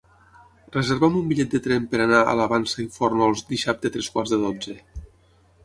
Reserva'm un bitllet de tren per anar a la Vansa i Fórnols dissabte a tres quarts de dotze.